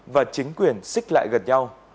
và chính quyền xích lại gần nhau